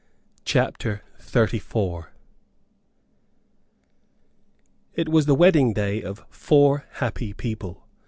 CHAPTER XXXIV It was the wedding day of four happy people.